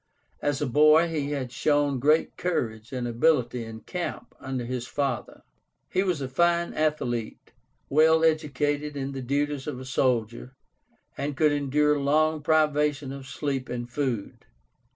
As a boy he had shown great courage and ability in camp under his father. He was a fine athlete, well educated in the duties of a soldier, and could endure long privation of sleep and food.